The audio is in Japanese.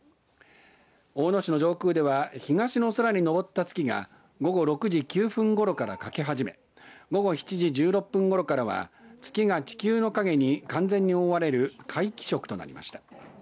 大野市の上空では東の空にのぼった月が午後６時９分ごろから欠け始め午後７時１６分ごろからは月が地球の影に完全に覆われる皆既食となりました。